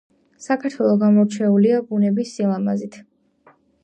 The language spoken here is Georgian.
საქართველო გამორჩეულია ბუნებით სილამაზით